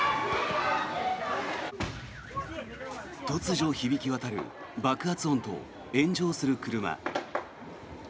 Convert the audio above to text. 突如響き渡る爆発音と炎上する車。